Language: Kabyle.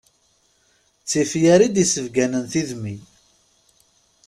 D tifyar i d-issebganen tidmi.